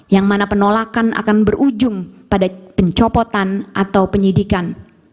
yang mana penolakan akan berujung pada pencopotan atau penyidikan